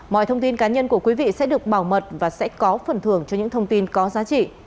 mọi thông tin cá nhân của quý vị sẽ được bảo mật và sẽ có phần thưởng cho những thông tin có giá trị